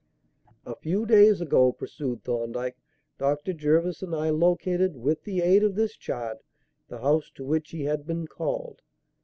"A few days ago," pursued Thorndyke, "Dr. Jervis and I located, with the aid of this chart, the house to which he had been called.